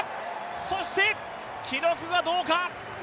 そして、記録がどうか？